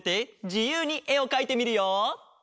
じゆうにえをかいてみるよ。